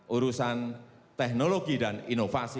urusan teknologi dan inovasi